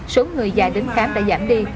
số người già đến khám đã giảm đi